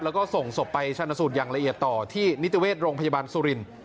แล้วก็ส่งศพไปชนะสูตรอย่างละเอียดต่อที่นิติเวชโรงพยาบาลสุรินทร์